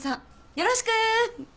よろしく。